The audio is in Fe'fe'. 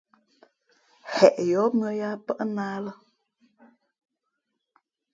Heʼ yǒh mʉ̄ᾱ yāā pάʼ nā lά.